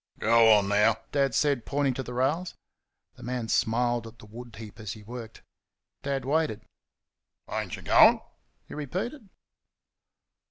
"Go on, now!" Dad said, pointing to the rails. The man smiled at the wood heap as he worked. Dad waited. "Ain't y' going?" he repeated.